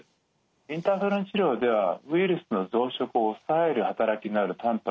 インターフェロン治療ではウイルスの増殖を抑える働きのあるたんぱく